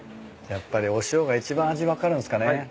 やっぱりお塩が一番味分かるんすかね。